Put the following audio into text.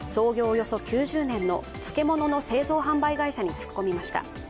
およそ９０年の漬物の製造・販売会社に突っ込みました。